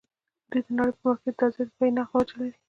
دوی د نړۍ په مارکېټ کې د ازادۍ د بیې نغده وجه لري.